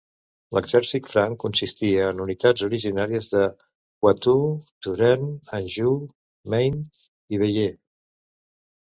L'exèrcit franc consistia en unitats originàries del Poitou, Turena, Anjou, Maine i Bayeux.